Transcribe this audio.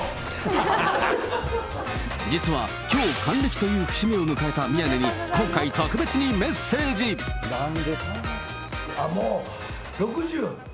実は、きょう還暦という節目を迎えた宮根に、今回、ああもう、６０？